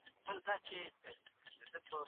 سړی بلې کوټې ته ځي او موخه هېروي.